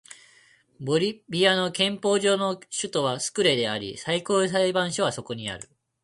ボリビアの憲法上の首都はスクレであり最高裁判所はそこにある